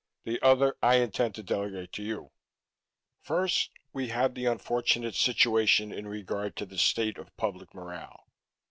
The other I intend to delegate to you. "First we have the unfortunate situation in regard to the state of public morale.